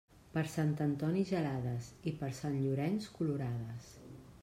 Per Sant Antoni gelades, i per sant Llorenç colorades.